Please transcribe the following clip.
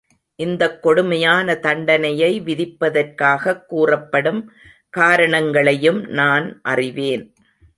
இந்தக் கொடுமையான தண்டனையை விதிப்பதற்காகக் கூறப்படும் காரணங்களையும் நான் அறிவேன்.